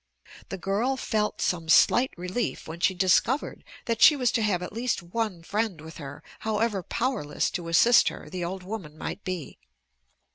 The girl felt some slight relief when she discovered that she was to have at least one friend with her, however powerless to assist her the old woman might be.